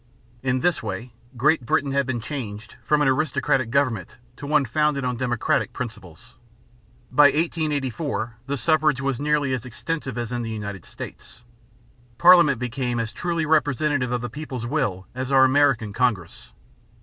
In this way Great Britain had been changed from an aristocratic government to one founded on democratic principles. By 1884 the suffrage was nearly as extensive as in the United States. Parliament became as truly representative of the people's will as our American Congress.